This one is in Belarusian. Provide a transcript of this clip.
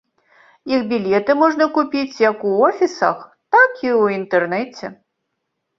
Іх білеты можна купіць як у офісах, так і ў інтэрнэце.